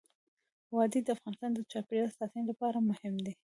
وادي د افغانستان د چاپیریال ساتنې لپاره مهم دي.